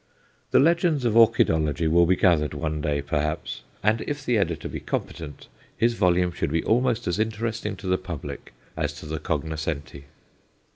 The legends of orchidology will be gathered one day, perhaps; and if the editor be competent, his volume should be almost as interesting to the public as to the cognoscenti.